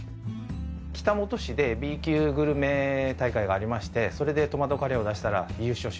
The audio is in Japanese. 北本市でＢ級グルメ大会がありましてそれでトマトカレーを出したら優勝しまして。